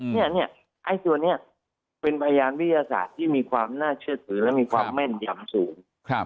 เนี้ยเนี้ยไอ้สูแนนเนี่ยเป็นพญาณวิทยาศาสตร์ที่มีความน่าเชื่อสือและมีความแม่นยำสูง